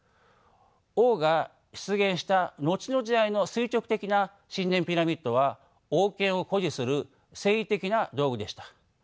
王が出現した後の時代の垂直的な神殿ピラミッドは王権を誇示する政治的な道具でした。